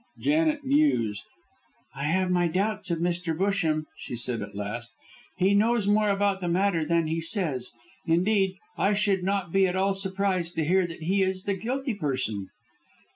Janet mused. "I have my doubts of Mr. Busham," she said at last. "He knows more about the matter than he says. Indeed, I should not be at all surprised to hear that he is the guilty person!"